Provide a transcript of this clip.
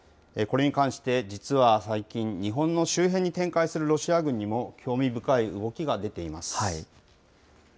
これに関して、実は最近、日本の周辺に展開するロシア軍にも興味深い動きが出ています。